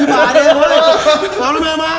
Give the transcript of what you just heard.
เหลาละเมขมา